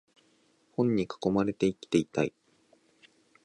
本に囲まれて生きていたい